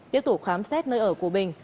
tiếp tục khám xét nơi ở của bình